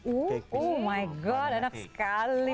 oh my god enak sekali